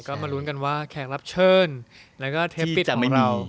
ก็มารู้กันว่าแขกรับเชิญ